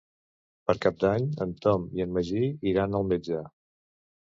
Per Cap d'Any en Tom i en Magí iran al metge.